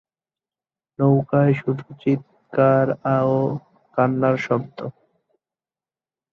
নৌকায় শুধু চিৎকার ও কান্নার শব্দ।